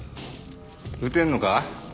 撃てんのか？